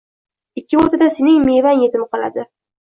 Ikki o’rtada sening mevang yetim qoladi.